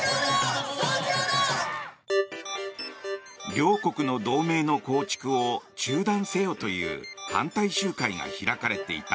両国の同盟の構築を中断せよという反対集会が開かれていた。